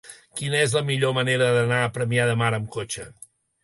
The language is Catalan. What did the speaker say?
Quina és la millor manera d'anar a Premià de Mar amb cotxe?